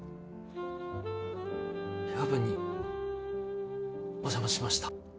夜分にお邪魔しました。